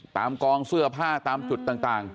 กองเสื้อผ้าตามจุดต่าง